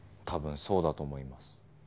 たぶんそうだと思います。